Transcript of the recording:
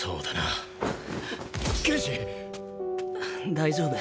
大丈夫。